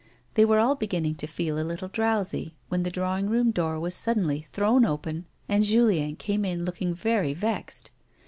They were all Vjeginning to feel a little drowsy when the drawing room door was suddenly thrown open and Julien came in looking very vexed.